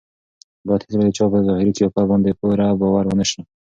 باید هېڅکله د چا په ظاهري قیافه باندې پوره باور ونه شي.